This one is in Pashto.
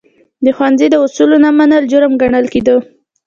د ښوونځي د اصولو نه منل، جرم ګڼل کېده.